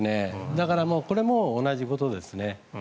だからこれも同じことですね。